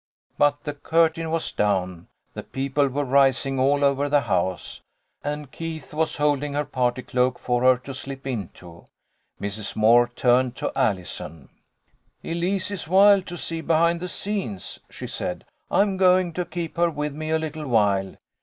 But the curtain was down, the people were rising all over the house, and Keith was holding her party cloak for her to slip into. Mrs. Moore turned to Allison. " Elise is wild to see behind the scenes," she said. "I am going to keep her with me a little while.